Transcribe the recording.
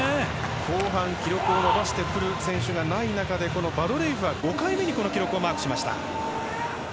後半、記録を伸ばしてくる選手がいない中でバドレイフは５回目にこの記録をマーク。